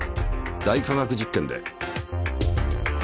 「大科学実験」で。